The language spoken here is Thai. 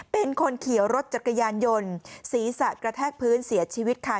เป็นคนขี่รถจักรยานยนต์ศีรษะกระแทกพื้นเสียชีวิตค่ะ